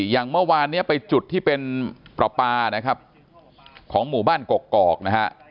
อย่างเมื่อวานเนี่ยไปจุดที่เป็นประปานะครับของหมู่บ้านกกอกนะฮะ